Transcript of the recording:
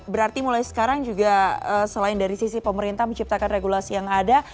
berarti mulai sekarang juga selain dari sisi pemerintah menciptakan regulasi yang ada